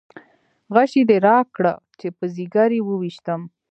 غشی دې راکړه چې په ځګر یې وویشتم.